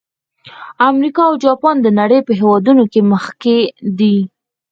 امریکا او جاپان د نړۍ په هېوادونو کې مخکې دي.